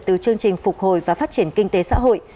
từ chương trình phục hồi và phát triển kinh tế xã hội